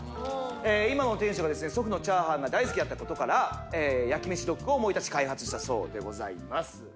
今の店主がですね祖父のチャーハンが大好きだったことから焼き飯ドックを思い立ち開発したそうでございます